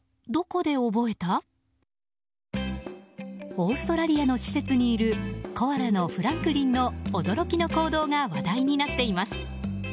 オーストラリアの施設にいるコアラのフランクリンの驚きの行動が話題になっています。